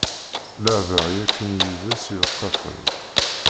Leɛbeɣ yakan yid-s ileqqafen.